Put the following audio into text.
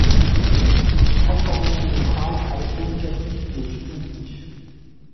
Transformation des phrases avec l'indicatif et le subjonctif :